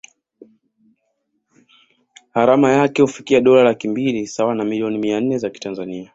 Gharama yake hufikia dola laki mbili sawa na millioni mia nne za kitanzania